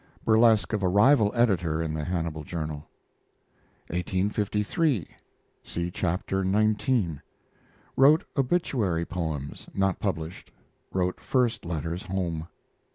Burlesque of a rival editor in the Hannibal Journal. 1853. (See Chapter xix.) Wrote obituary poems not published. Wrote first letters home.